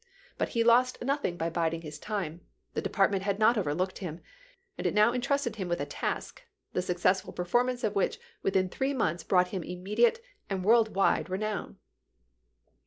But he lost noth ing by biding his time; the department had not overlooked him, and it now entrusted him with a task, the successful performance of which within three months brought him immediate and world wide renown.